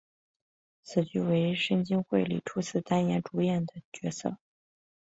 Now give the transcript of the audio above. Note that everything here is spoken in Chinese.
此剧为深津绘里初次担任主演的电视剧。